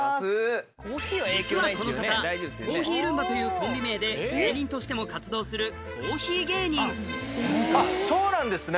実はこの方コーヒールンバというコンビ名で芸人としても活動するコーヒー芸人あっそうなんですね。